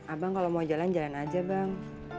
abang kalau mau jalan jalan aja bang